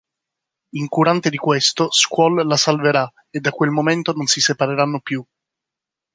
Incurante di questo, Squall la salverà, e da quel momento non si separeranno più.